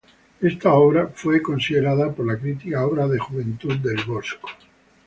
Esta obra fue considerada por la crítica obra de juventud del Bosco.